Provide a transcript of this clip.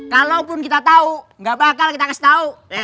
kalaupun kita tau gak bakal kita kasih tau